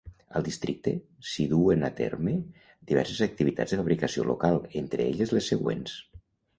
Al Districte s'hi duen a terme diverses activitats de fabricació local, entre elles, les següents.